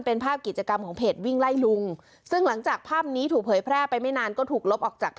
ออกจากเพจไปนะคะ